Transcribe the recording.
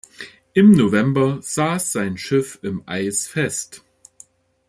Im November saß sein Schiff im Eis fest.